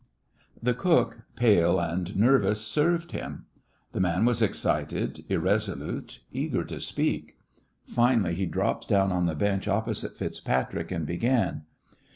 The cook, pale and nervous, served him. The man was excited, irresolute, eager to speak. Finally he dropped down on the bench opposite FitzPatrick, and began.